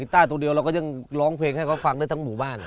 ใต้ตัวเดียวเราก็ยังร้องเพลงให้เขาฟังได้ทั้งหมู่บ้าน